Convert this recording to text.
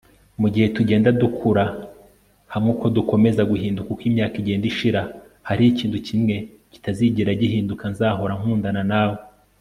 mugihe tugenda dukura hamwe, uko dukomeza guhinduka uko imyaka igenda ishira. hariho ikintu kimwe kitazigera gihinduka, nzahora nkundana nawe